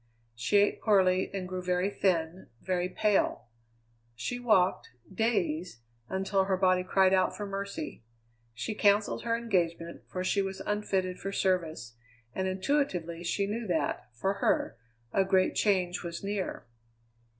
She ate poorly and grew very thin, very pale. She walked, days, until her body cried out for mercy. She cancelled her engagement, for she was unfitted for service, and intuitively she knew that, for her, a great change was near.